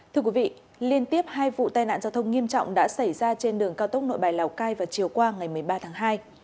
thưa quý vị liên tiếp hai vụ tai nạn giao thông nghiêm trọng đã xảy ra trên đường cao tốc nội bài lào cai vào chiều qua ngày một mươi ba tháng hai